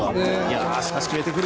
しかし決めてくる。